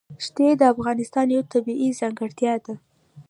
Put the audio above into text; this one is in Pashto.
ښتې د افغانستان یوه طبیعي ځانګړتیا ده.